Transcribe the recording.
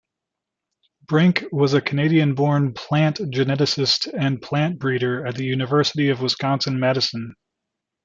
Brink, was a Canadian-born plant geneticist and plant breeder at the University of Wisconsin-Madison.